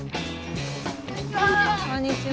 こんにちは！